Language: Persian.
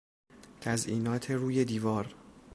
تزئینات روی دیوار